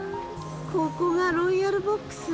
ここがロイヤルボックス？